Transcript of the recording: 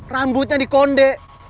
rambutnya di konde